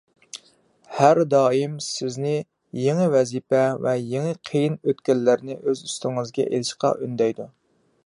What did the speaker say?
ھەر دائىم سىزنى يېڭى ۋەزىپە ۋە يېڭى قىيىن ئۆتكەللەرنى ئۆز ئۈستىڭىزگە ئېلىشقا ئۈندەيدۇ.